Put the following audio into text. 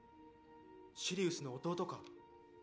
シリウスの弟か？